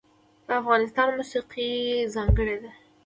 د افغانستان موسیقی ځانګړې ده